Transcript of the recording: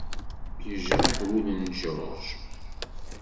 Yejreḥ wul n George.